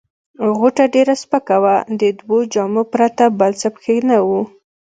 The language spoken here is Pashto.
غوټه ډېره سپکه وه، د دوو جامو پرته بل څه پکښې نه وه.